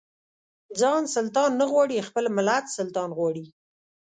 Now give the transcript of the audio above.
ځان سلطان نه غواړي خپل ملت سلطان غواړي.